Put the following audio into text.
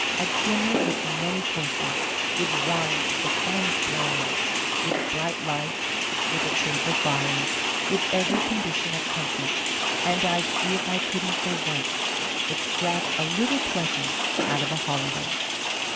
A dinner with many courses, with wines of the finest brands, with bright lights, with a cheerful fire, with every condition of comfort and I'd see if I couldn't for once extract a little pleasure out of a holiday!